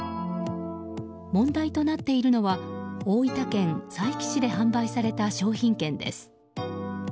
問題となっているのは大分県佐伯市で販売された商品券です。